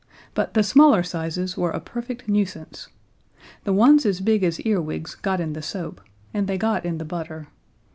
But the smaller sizes were a perfect nuisance. The ones as big as earwigs got in the soap, and they got in the butter.